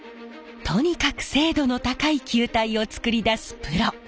とにかく精度の高い球体を作り出すプロ。